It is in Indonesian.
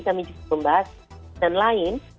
kami juga membahas dan lain